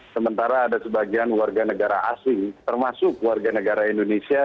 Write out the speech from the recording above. sementara ada sebagian warga negara asing termasuk warga negara indonesia